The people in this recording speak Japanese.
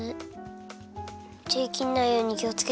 てきんないようにきをつけてください。